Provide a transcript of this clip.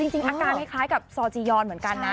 จริงอาการคล้ายกับซอจียอนเหมือนกันนะ